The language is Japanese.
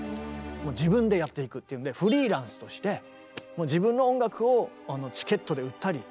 自分でやっていくっていうんでフリーランスとして自分の音楽をチケットで売ったりして。